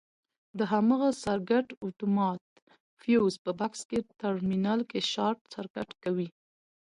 د هماغه سرکټ اتومات فیوز په بکس ټرمینل کې شارټ سرکټ کوي.